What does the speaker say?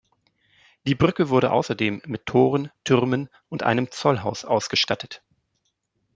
Die Brücke wurde außerdem mit Toren, Türmen und einem Zollhaus ausgestattet.